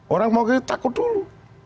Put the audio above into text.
orang mungkin takut dulu